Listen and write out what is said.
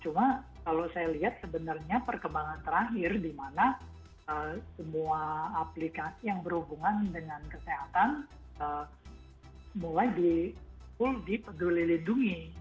cuma kalau saya lihat sebenarnya perkembangan terakhir di mana semua aplikasi yang berhubungan dengan kesehatan mulai di full di peduli lindungi